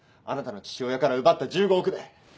あなたの父親から奪った１５億で。